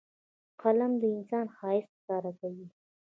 قلم د انسان ښایست ښکاره کوي